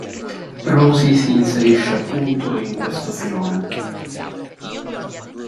Rosy si inserisce appunto in questo filone.